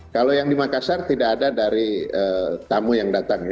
kalau yang di makassar tidak ada dari tamu yang datang